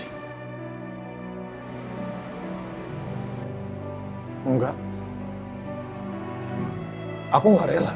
ibu mengurus kamu